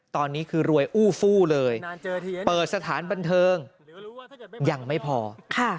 ตอนนี้คือรวยอู้ฟู้เลยเปิดสถานบันเทิงยังไม่พอค่ะ